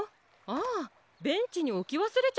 あベンチにおきわすれちゃったのね。